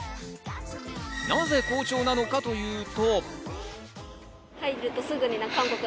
なぜ好調なのかというと。